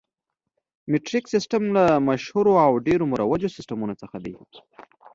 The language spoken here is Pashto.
مټریک سیسټم له مشهورو او ډېرو مروجو سیسټمونو څخه دی.